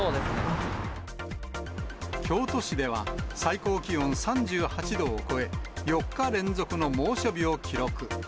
京都市では、最高気温３８度を超え、４日連続の猛暑日を記録。